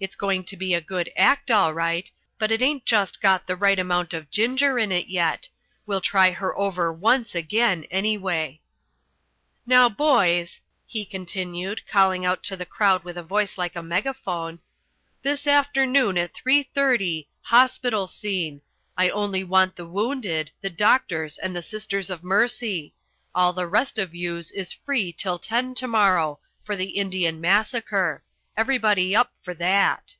It's going to be a good act, all right. But it ain't just got the right amount of ginger in it yet. We'll try her over once again, anyway." "Now, boys," he continued, calling out to the crowd with a voice like a megaphone, "this afternoon at three thirty Hospital scene. I only want the wounded, the doctors and the Sisters of Mercy. All the rest of youse is free till ten to morrow for the Indian Massacre. Everybody up for that."